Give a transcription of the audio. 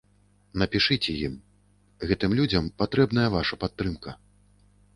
Напішыце ім, гэтым людзям патрэбная ваша падтрымка.